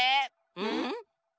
うん？